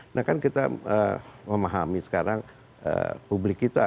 nah kan kita memahami sekarang publik kita